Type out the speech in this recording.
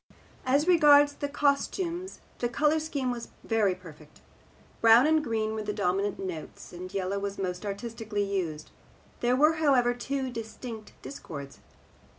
As regards the costumes the colour scheme was very perfect. Brown and green were the dominant notes, and yellow was most artistically used. There were, however, two distinct discords.